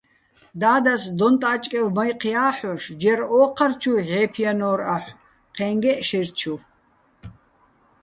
და́დას დონ-ტა́ჭკევ მაჲჴი̆ ჲა́ჰ̦ოშ ჯერ ო́ჴარჩუ ჲჵე́ფჲანო́რ აჰ̦ო̆, ჴე́ჼგეჸ შაჲრჩუ.